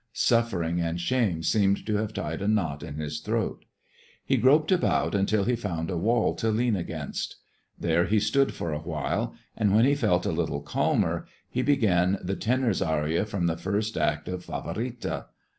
Suffering and shame seemed to have tied a knot in his throat. He groped about until he had found a wall to lean against. There he stood for awhile, and when he felt a little calmer he began the tenor's aria from the first act of "Favorita."